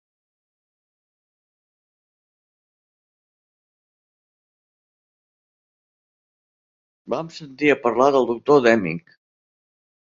Vam sentir a parlar del doctor Deming.